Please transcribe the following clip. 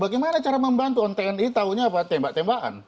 bagaimana cara membantu tni tahunya apa tembak tembakan